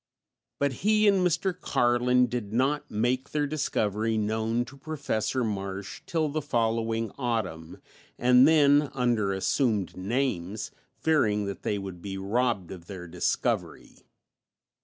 But he and Mr. Carlin did not make their discovery known to Professor Marsh till the following autumn, and then under assumed names, fearing that they would be robbed of their discovery.